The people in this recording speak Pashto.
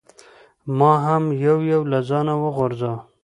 ما هم یو یو له ځانه غورځاوه.